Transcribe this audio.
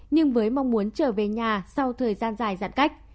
nhưng với mong muốn trở về nhà sau thời gian dài giãn cách